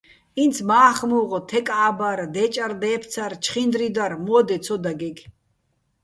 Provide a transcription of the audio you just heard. ინც მა́ხ-მუღ, თეკ-ა́ბარ, დე́ჭარ-დე́ფცარ, ჩხინდრი დარ მო́დე ცო დაგეგე̆.